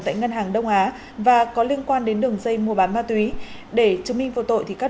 tại ngân hàng đông á và có liên quan đến đường dây mua bán ma túy để chứng minh vô tội các